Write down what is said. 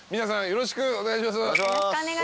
よろしくお願いします。